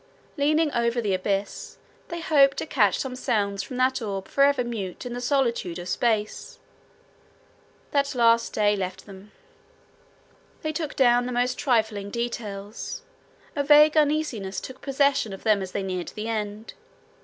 Leaning over the abyss, they hoped to catch some sounds from that orb forever mute in the solitude of space. That last day left them. They took down the most trifling details. A vague uneasiness took possession of them as they neared the end.